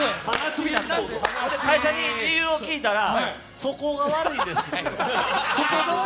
会社に理由を聞いたら素行が悪いですねって。